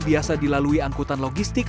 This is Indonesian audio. biasa dilalui angkutan logistik